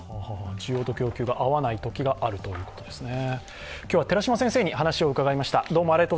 需要と供給が合わないことがあるということですね。